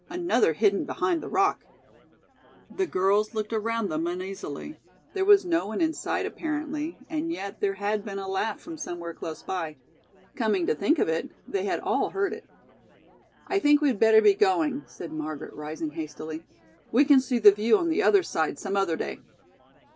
Another hidden behind the rock." The girls looked around them uneasily. There was no one in sight, apparently, and yet there had been a laugh from somewhere close by. Coming to think of it, they had all heard it. "I think we'd better be going," said Margaret, rising hastily. "We can see the view on the other side some other day."